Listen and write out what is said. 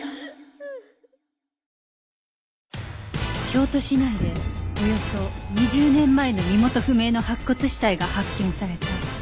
京都市内でおよそ２０年前の身元不明の白骨死体が発見された